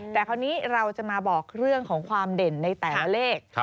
แต่คราวนี้เราจะมาบอกเรื่องของความเด่นในแต่ละเลข